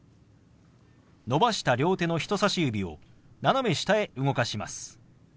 伸ばした両手の人さし指を斜め下へ動かします。